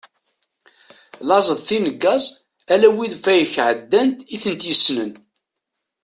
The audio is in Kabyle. Laẓ d tineggaẓ, ala wid fayeg εeddant i tent-yessenen.